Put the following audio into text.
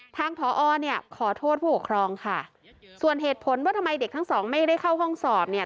ทางพอเนี่ยขอโทษผู้ปกครองค่ะส่วนเหตุผลว่าทำไมเด็กทั้งสองไม่ได้เข้าห้องสอบเนี่ย